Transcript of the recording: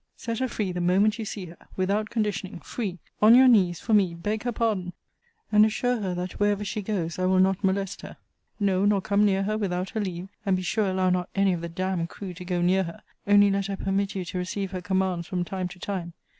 Set her free the moment you see her: without conditioning, free! On your knees, for me, beg her pardon: and assure her, that, wherever she goes, I will not molest her: no, nor come near her without her leave: and be sure allow not any of the d d crew to go near her only let her permit you to receive her commands from time to time.